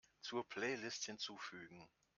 Zur Playlist hinzufügen.